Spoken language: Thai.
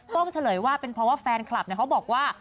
เฉลยว่าเป็นเพราะว่าแฟนคลับเขาบอกว่า